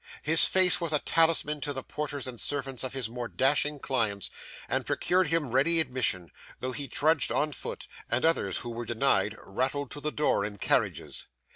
His face was a talisman to the porters and servants of his more dashing clients, and procured him ready admission, though he trudged on foot, and others, who were denied, rattled to the door in carriages.